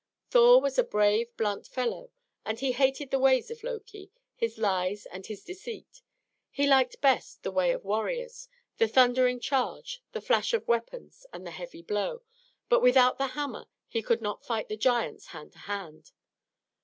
Thor was a brave, blunt fellow, and he hated the ways of Loki, his lies and his deceit. He liked best the way of warriors the thundering charge, the flash of weapons, and the heavy blow; but without the hammer he could not fight the giants hand to hand.